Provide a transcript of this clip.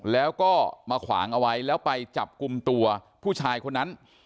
แล้วก็มาขวางเอาไว้แล้วไปจับกลุ่มตัวผู้ชายคนนั้น